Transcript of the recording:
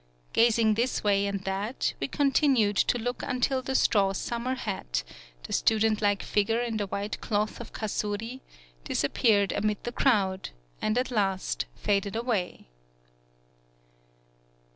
Gazing this way and that, we continued to look un 164 TSUGARU STRAIT til the straw summer hat, the student like figure in the white cloth of Kasuri, disappeared amid the crowd, and at last faded away.